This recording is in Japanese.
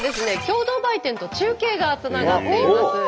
共同売店と中継がつながっています。